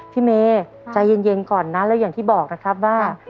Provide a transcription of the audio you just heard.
พี่เมย์ใจเย็นก่อนนะแล้วอย่างที่บอกนะครับว่า